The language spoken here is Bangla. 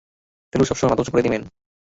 স্যালুট সবসময় মাথা উঁচু করে দিবেন!